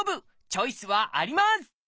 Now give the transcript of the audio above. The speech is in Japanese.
チョイスはあります！